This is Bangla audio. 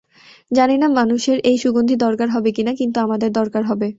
জানি না মানুষের এই সুগন্ধি দরকার হবে কিনা, কিন্তু আমাদের দরকার হবে।